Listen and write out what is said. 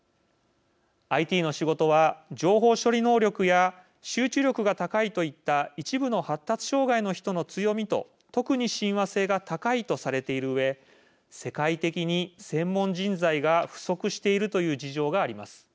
ＩＴの仕事は情報処理能力や集中力が高いといった一部の発達障害の人の強みと特に親和性が高いとされているうえ世界的に専門人材が不足しているという事情があります。